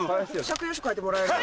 借用書書いてもらえる？